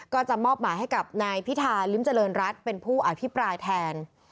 ก็จะมอบหมายให้กับนายพิธาลิ้มเจริญรัฐเป็นผู้อภิปรายแทน